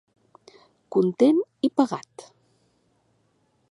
Content i pagat.